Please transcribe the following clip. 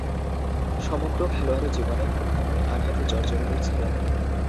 সমগ্র খেলোয়াড়ী জীবনে খুব কমই আঘাতে জর্জরিত ছিলেন।